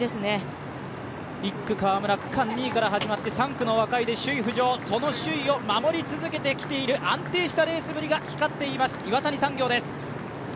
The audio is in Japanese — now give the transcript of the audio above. １区、川村区間から始まって３区の若井で首位浮上、その首位を守り続けている安定したレースぶりが光っています、岩谷産業です。